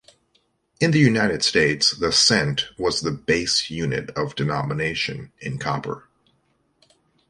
In the United States, the cent was the base-unit of denomination in copper.